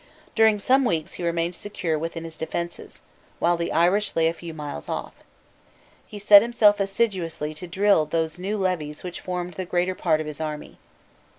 During some weeks he remained secure within his defences, while the Irish lay a few miles off. He set himself assiduously to drill those new levies which formed the greater part of his army.